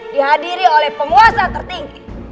dihadiri oleh penguasa tertinggi